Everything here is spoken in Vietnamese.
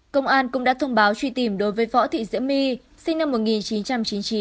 công an cũng đã thông báo truy tìm đối với võ thị diễm my sinh năm một nghìn chín trăm chín mươi chín